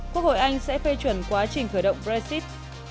quốc hội anh sẽ phê chuẩn quá trình khởi động brexit